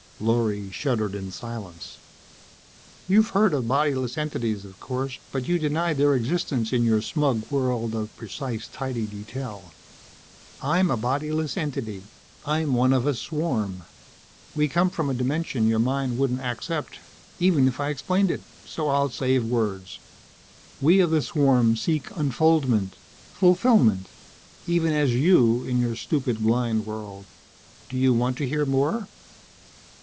Lorry shuddered in silence. "You've heard of bodyless entities, of course but you denied their existence in your smug world of precise tidy detail. I'm a bodyless entity. I'm one of a swarm. We come from a dimension your mind wouldn't accept even if I explained it, so I'll save words. We of the swarm seek unfoldment fulfillment even as you in your stupid, blind world. Do you want to hear more?"